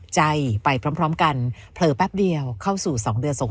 ใจไปพร้อมกันเผลอแป๊บเดียวเข้าสู่๒เดือน